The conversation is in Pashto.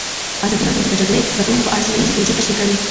ازادي راډیو د د جګړې راپورونه په اړه سیمه ییزې پروژې تشریح کړې.